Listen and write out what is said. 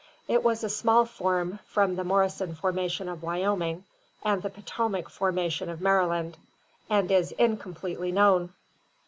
It was a small form from the Morrison formation of Wyoming and the Potomac formation of Maryland, and is incompletely known.